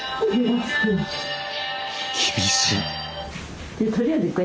厳しい。